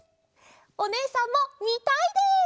おねえさんもみたいです！